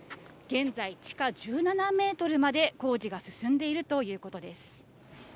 現在、地下１７メートルまで工事が進んでいるということです。